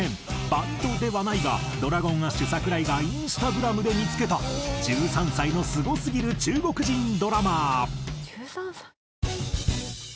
バンドではないがＤｒａｇｏｎＡｓｈ櫻井がＩｎｓｔａｇｒａｍで見付けた１３歳のすごすぎる中国人ドラマー。